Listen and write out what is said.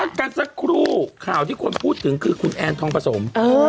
กันสักครู่ข่าวที่คนพูดถึงคือคุณแอนทองผสม